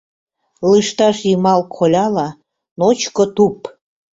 Лышташ йымал коляла — ночко туп!